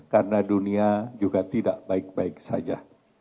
karena dunia juga tidak baik baik saja